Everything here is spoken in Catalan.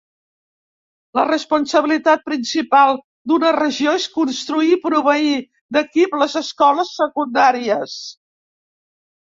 La responsabilitat principal d'una regió és construir i proveir d'equip les escoles secundàries.